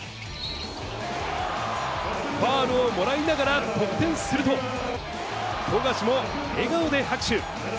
ファウルをもらいながら得点すると、富樫も笑顔で拍手。